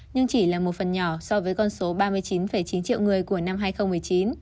nhưng chỉ là một phần nhỏ so với con số ba mươi chín chín triệu người của năm hai nghìn một mươi chín